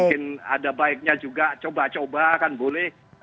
mungkin ada baiknya juga coba coba kan boleh